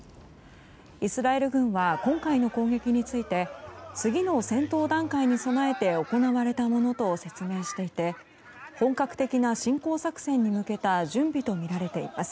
イスラエル軍は今回の攻撃について次の戦闘段階に備えて行われたものと説明していて本格的な侵攻作戦に向けた準備とみられています。